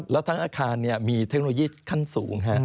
แล้วทั้งอาคารมีเทคโนโลยีขั้นสูง